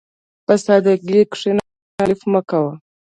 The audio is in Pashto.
په سادهګۍ کښېنه، تکلف مه کوه.